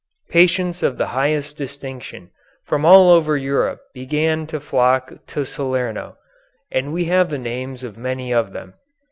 Patients of the highest distinction from all over Europe began to flock to Salerno, and we have the names of many of them.